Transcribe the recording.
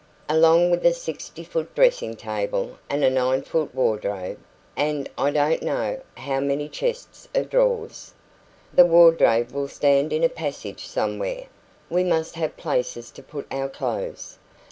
"Along with a six foot dressing table, and a nine foot wardrobe, and I don't know how many chests of drawers " "The wardrobe will stand in a passage somewhere. We must have places to put our clothes."